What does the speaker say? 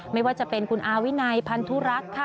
ไม่ว่าจะเป็นคุณอาวินัยพันธุรักษ์ค่ะ